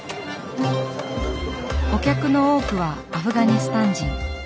お客の多くはアフガニスタン人。